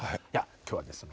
今日はですね